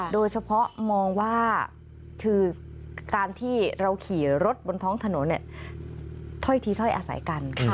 โดยเฉพาะมองว่าคือการที่เราขี่รถบนท้องถนนถ้อยทีถ้อยอาศัยกัน